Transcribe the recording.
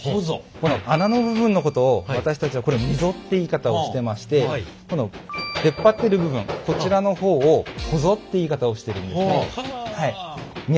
この穴の部分のことを私たちはこれをミゾって言い方をしてましてこの出っ張っている部分こちらの方をホゾって言い方をしているんですね。